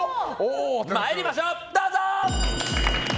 参りましょう、どうぞ！